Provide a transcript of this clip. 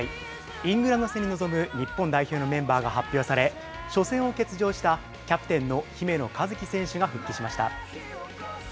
イングランド戦に臨む日本代表のメンバーが発表され、初戦を欠場したキャプテンの姫野和樹選手が復帰しました。